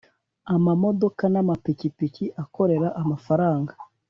Amamodoka n’ amapikipiki akorera amafaranga.